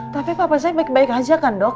tapi papa saya baik baik aja kan dok